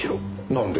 なんで？